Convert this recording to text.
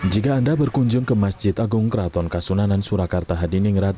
jika anda berkunjung ke masjid agung keraton kesunanan surakarta di ningrat